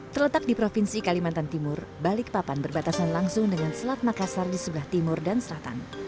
terletak di provinsi kalimantan timur balikpapan berbatasan langsung dengan selat makassar di sebelah timur dan selatan